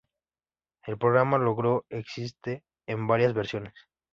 El programa Logo existe en varias versiones.